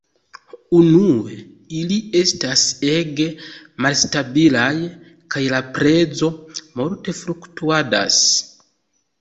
Unue, ili estas ege malstabilaj, kaj la prezo multe fluktuadas.